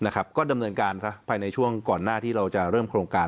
ก็ดำเนินการซะภายในช่วงก่อนหน้าที่เราจะเริ่มโครงการ